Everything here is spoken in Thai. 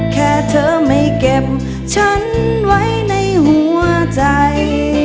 แค่เธอไม่เก็บฉันไว้ในหัวใจ